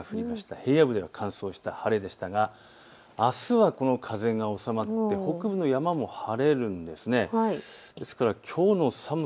平野部では乾燥した晴れでしたがあすはこの風が収まって北部の山も晴れるんです。